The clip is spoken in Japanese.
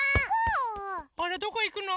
あれどこいくの？